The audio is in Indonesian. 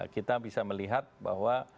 kita bisa melihat bahwa